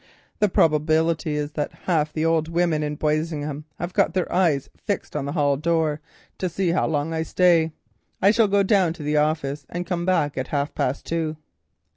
The probability is that half the old women in Boisingham have got their eyes fixed on the hall door to see how long I stay. I shall go down to the office and come back at half past two."